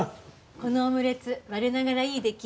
このオムレツ我ながらいい出来。